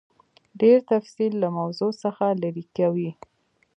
ډېر تفصیل له موضوع څخه لیرې کوي.